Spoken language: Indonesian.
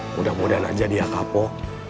mudah mudahan aja dia kapok